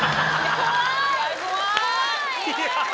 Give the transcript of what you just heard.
怖い。